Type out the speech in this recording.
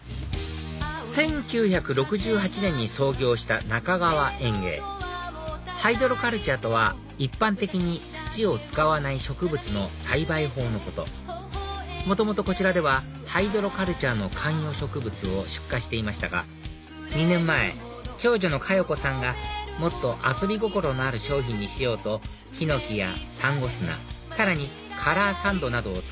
１９６８年に創業した中川園芸ハイドロカルチャーとは一般的に土を使わない植物の栽培法のこと元々こちらではハイドロカルチャーの観葉植物を出荷していましたが２年前長女の佳代子さんがもっと遊び心のある商品にしようとヒノキやサンゴ砂さらにカラーサンドなどを使い